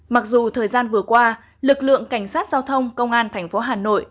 mặc dù thời gian vừa qua lực lượng cảnh sát giao thông công an tp hà nội